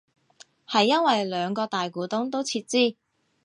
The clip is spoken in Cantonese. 係因為兩個大股東都撤資